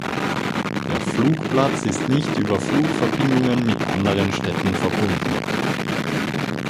Der Flugplatz ist nicht über Flugverbindungen mit anderen Städten verbunden.